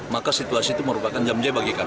maka situasi itu merupakan jam j bagi kami